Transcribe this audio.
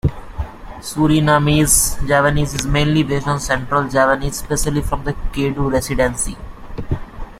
Surinamese-Javanese is mainly based on Central Javanese, especially from the Kedu residency.